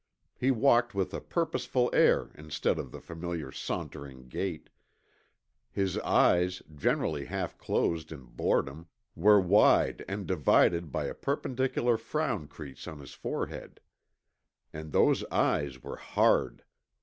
He walked with a purposeful air instead of the familiar sauntering gait; his eyes, generally half closed in boredom, were wide and divided by a perpendicular frown crease on his forehead. And those eyes were hard.